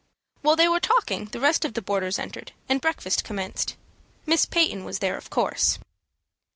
While they were talking the rest of the boarders entered, and breakfast commenced. Miss Peyton was there, of course.